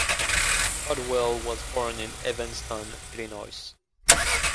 Podewell was born in Evanston, Illinois.